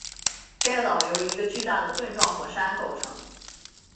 该岛由一个巨大的盾状火山构成